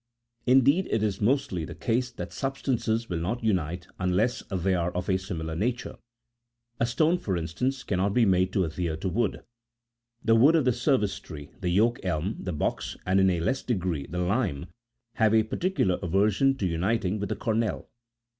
Indeed, it is mostly the case that substances will not unite unless they are of a similar nature ; a stone, for instance, cannot be made to adhere to wood. The wood of the service tree, the yoke elm, the box, and, in a less degree, the lime, have a particular aversion to uniting with the cornel.